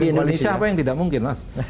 tetapi di indonesia apa yang tidak mungkin mas